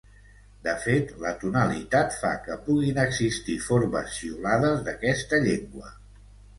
De fet la tonalitat fa que puguin existir formes xiulades d'aquesta llengua.